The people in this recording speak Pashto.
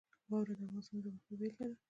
واوره د افغانستان د جغرافیې بېلګه ده.